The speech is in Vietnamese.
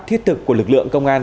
thiết thực của lực lượng công an